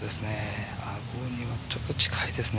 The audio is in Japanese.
アゴにはちょっと近いですかね